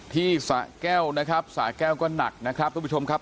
สะแก้วนะครับสาแก้วก็หนักนะครับทุกผู้ชมครับ